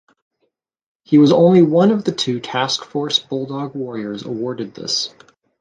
He was only one of the two Task Force Bulldog warriors awarded this.